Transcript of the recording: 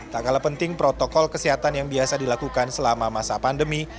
tak kalah penting protokol kesehatan yang biasa dilakukan selama masa pandemi